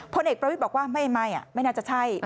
พลเอกประวิทย์บอกว่าไม่ไม่น่าจะใช่